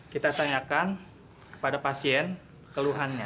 kita tanyakan kepada pasien keluhannya